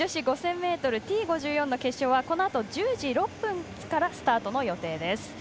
ｍＴ５４の決勝はこのあと１０時６分からスタートの予定です。